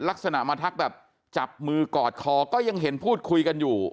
ลักษณะมาทักแบบจับมือกอดคอก็ยังเห็นพูดคุยกันอยู่